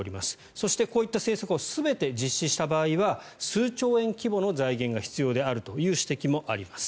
そして、こういった政策を全て実施した場合は数兆円規模の財源が必要であるという指摘もあります。